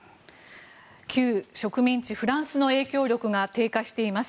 旧植民地フランスの影響力が低下しています。